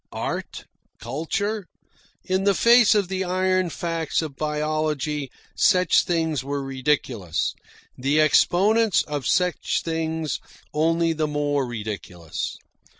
Art, culture in the face of the iron facts of biology such things were ridiculous, the exponents of such things only the more ridiculous.